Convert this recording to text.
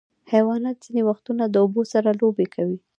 حیوانات ځینې وختونه د اوبو سره لوبې کوي.